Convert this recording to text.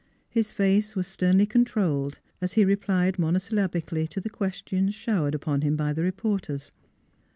His face was sternly controlled as he replied monosyllabically to the questions showered upon him by the reporters.